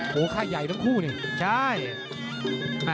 โห้ข้าวใหญ่ทั้งคู่นู่น